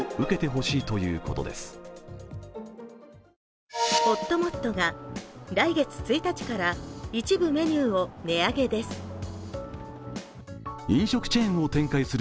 ほっともっとが来月１日から一部メニューを値上げです。